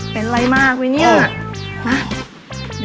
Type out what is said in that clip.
เป็นไรมากวินิว